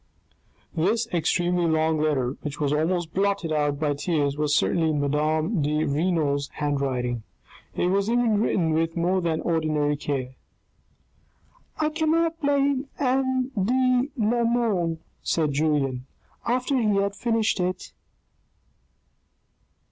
This extremely long letter, which was almost blotted out by tears, was certainly in madame de Renal's handwriting ; it was even written with more than ordinary care. " I cannot blame M. de la Mole," said Julien, " after he had finished it.